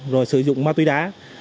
rồi sử dụng ma tùy đá